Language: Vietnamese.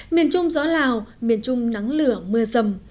miền trung gió lào miền trung nắng lửa mưa rầm